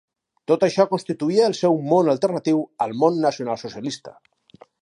Tot això constituïa el seu món alternatiu al món nacionalsocialista.